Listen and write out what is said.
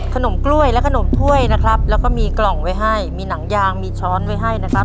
ขนมกล้วยและขนมถ้วยนะครับแล้วก็มีกล่องไว้ให้มีหนังยางมีช้อนไว้ให้นะครับ